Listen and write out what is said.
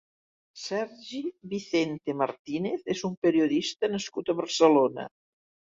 Sergi Vicente Martínez és un periodista nascut a Barcelona.